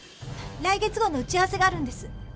来月号の打ち合わせがあるんです。